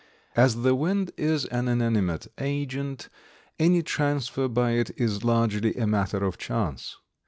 As the wind is an inanimate agent any transfer by it is largely a matter of chance.